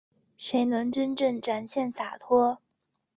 谁能真正展现洒脱